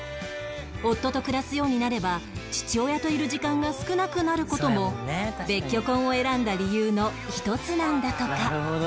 夫と暮らすようになれば父親といる時間が少なくなる事も別居婚を選んだ理由の一つなんだとか